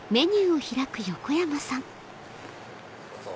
どうぞ。